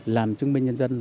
làm chứng minh nhân dân